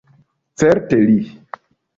Certe, li.